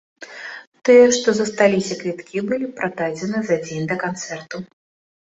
Тыя, што засталіся квіткі былі прададзеныя за дзень да канцэрту.